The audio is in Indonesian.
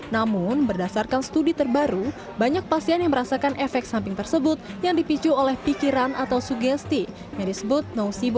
namun berdasarkan studi terbaru banyak pasien yang merasakan efek samping tersebut yang dipicu oleh pikiran atau sugesti yang disebut nocebo